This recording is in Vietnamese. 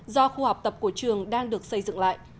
do khu học tập của trường đang được xây dựng lại